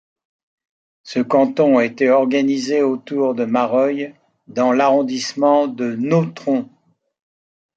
Ce canton était organisé autour de Mareuil dans l'arrondissement de Nontron.